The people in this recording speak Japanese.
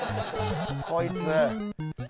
こいつ！